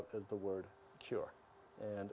dan bagi banyak orang